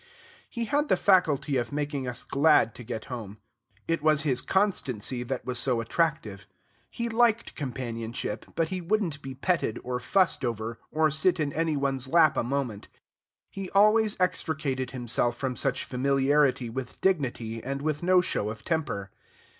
He had the faculty of making us glad to get home. It was his constancy that was so attractive. He liked companionship, but he wouldn't be petted, or fussed over, or sit in any one's lap a moment; he always extricated himself from such familiarity with dignity and with no show of temper.